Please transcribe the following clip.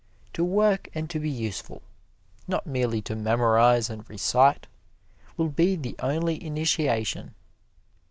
To work and to be useful not merely to memorize and recite will be the only initiation.